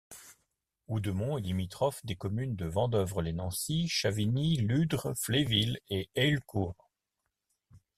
Houdemont est limitrophe des communes de Vandœuvre-les-Nancy, Chavigny, Ludres, Fléville et Heillecourt.